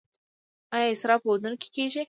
آیا اسراف په ودونو کې کیږي؟